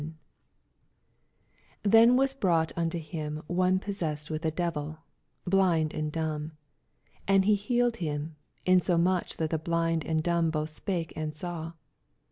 29 Then was brought nnto him one poeseiaed with a deyil, blind, and anmb : and he healed him, insomuch that the blind and dumb Doth apake and saw.